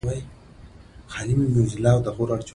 دځنګل حاصلات د افغانستان د پوهنې نصاب کې شامل دي.